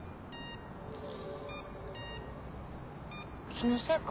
気のせいか。